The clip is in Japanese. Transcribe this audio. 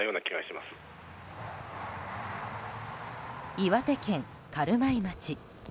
岩手県軽米町。